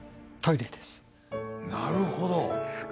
なるほど。